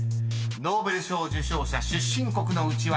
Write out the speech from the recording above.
ノーベル賞受賞者出身国のウチワケ］